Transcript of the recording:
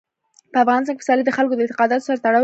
په افغانستان کې پسرلی د خلکو د اعتقاداتو سره تړاو لري.